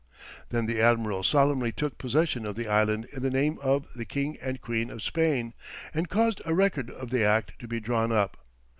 Then the admiral solemnly took possession of the island in the name of the King and Queen of Spain, and caused a record of the act to be drawn up.